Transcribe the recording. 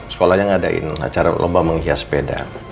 sekolahnya ngadain acara lomba menghias sepeda